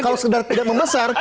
kalau tidak membesar